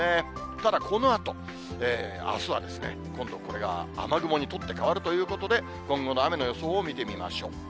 ただこのあと、あすは、今度これが雨雲に取って代わるということで、今後の雨の予想を見てみましょう。